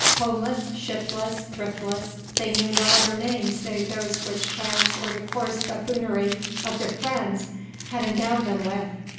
Homeless, shiftless, thriftless, they knew no other names save those which chance or the coarse buffoonery of their friends had endowed them with.